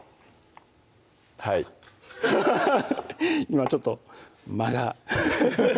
はい今ちょっと間がハハハ